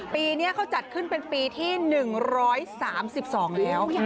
ปีนี้เขาจัดขึ้นเป็นปีที่๑๓๒แล้ว